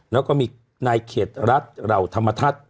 แล้วก็มีนายเขตรัฐเหล่าธรรมทัศน์